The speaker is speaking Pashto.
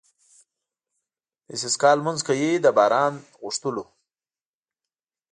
د استسقا لمونځ کوي د باران غوښتلو.